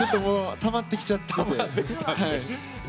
たまってきちゃったんで。